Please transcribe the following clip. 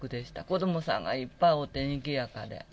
子どもさんがいっぱいおってにぎやかで。